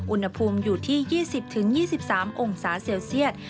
อุณหภูมิอยู่ที่๒๐๒๓องศาเซลเซียต